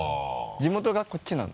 地元がこっちなので。